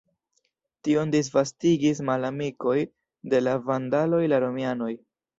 Tion disvastigis malamikoj de la vandaloj, la romianoj.